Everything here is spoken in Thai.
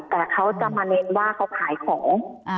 แต่เขาจะมาเน้นว่าเขาขายของ